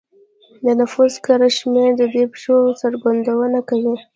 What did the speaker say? د نفوس کره شمېر د دې پېښو څرګندونه کوي